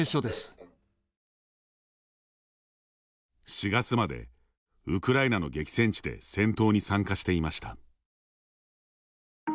４月までウクライナの激戦地で戦闘に参加していました。